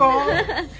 ハハハ。